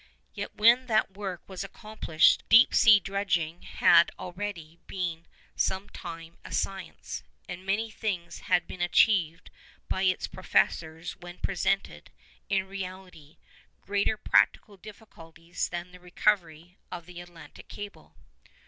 Yet when that work was accomplished deep sea dredging had already been some time a science, and many things had been achieved by its professors which presented, in reality, greater practical difficulties than the recovery of the Atlantic Cable.